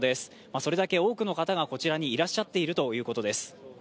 それだけ多くの方がこちらにいらっしゃっているということです。